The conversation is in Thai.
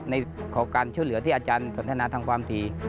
ขอการช่วยเหลือที่อาจารย์สนทนาทำความที